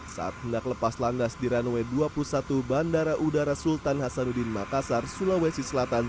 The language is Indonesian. saat hendak lepas landas di runway dua puluh satu bandara udara sultan hasanuddin makassar sulawesi selatan